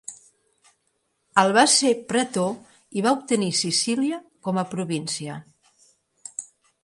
El va ser pretor i va obtenir Sicília com a província.